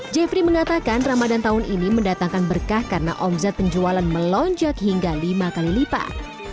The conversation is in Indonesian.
jeffrey mengatakan ramadan tahun ini mendatangkan berkah karena omset penjualan melonjak hingga lima kali lipat